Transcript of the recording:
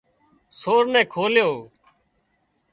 سور نين کوليو